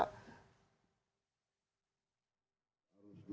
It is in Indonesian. jangan lupa like share dan subscribe